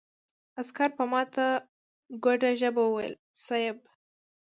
عسکر په ماته ګوډه ژبه وويل: صېب!